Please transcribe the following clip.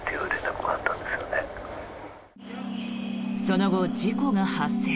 その後、事故が発生。